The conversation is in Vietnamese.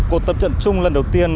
cuộc tập trận chung lần đầu tiên